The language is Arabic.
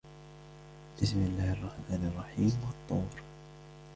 بِسْمِ اللَّهِ الرَّحْمَنِ الرَّحِيمِ وَالطُّورِ